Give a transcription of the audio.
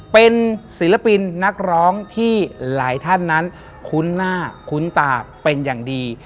เป็นศิลปินนักร้องที่หลายท่านนั้นคุ้นหน้าคุ้นตาเป็นอย่างดี